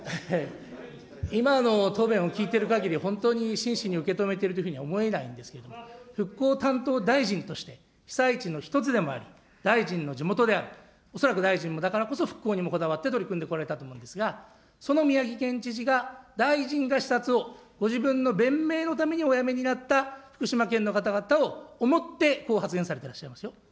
今の答弁を聞いているかぎり、本当に真摯に受け止めているというふうに思えないんですけれども、復興担当大臣として、被災地の一つでもあり、大臣の地元である、恐らく大臣もだからこそ復興にこだわって取り組んでこられたと思うんですが、その宮城県知事が大臣が視察をご自分の弁明のためにお辞めになった福島県の方々を思ってこう発言されていらっしゃいますよ。